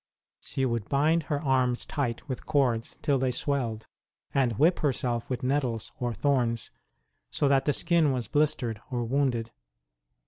She would bind her arms tight with cords till they swelled, and whip her self with nettles or thorns, so that the skin was blistered or wounded.